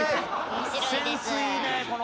面白いです。